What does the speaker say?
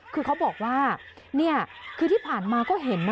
คือเขาบอกว่านี่คือที่ผ่านมาก็เห็นนะ